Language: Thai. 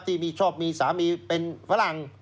ชอบมีสามีเป็นฝรั่ง